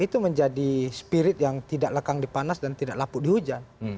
itu menjadi spirit yang tidak lekang di panas dan tidak lapuk di hujan